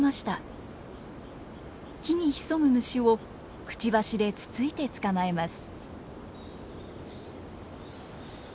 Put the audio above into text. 木に潜む虫をくちばしでつついて捕まえます。